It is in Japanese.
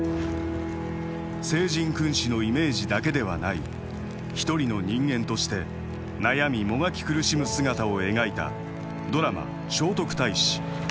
聖人君子のイメージだけではない一人の人間として悩みもがき苦しむ姿を描いたドラマ「聖徳太子」。